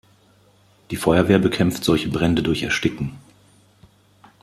Die Feuerwehr bekämpft solche Brände durch Ersticken.